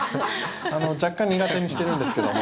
若干苦手にしてるんですけども。